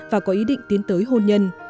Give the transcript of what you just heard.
và có ý định tiến tới hôn nhân